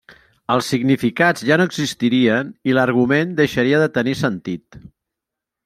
Els significats ja no existirien i l'argument deixaria de tenir sentit.